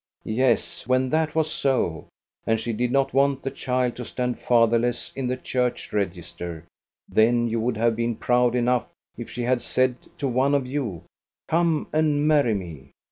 — yes, when that was so, and she did not want the child to stand fatherless in the church register, then you would have been proud enough if she had said to one of you: 'Come and marry me!